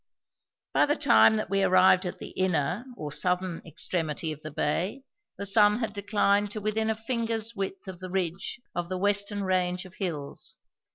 By the time that we arrived at the inner, or southern extremity of the bay the sun had declined to within a finger's width of the ridge of the western range of hills.